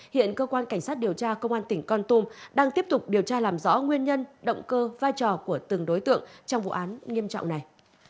hiện cơ quan cảnh sát điều tra công an tỉnh con tum đang tiếp tục điều tra làm rõ nguyên nhân động cơ vai trò của từng đối tượng trong vụ án nghiêm trọng này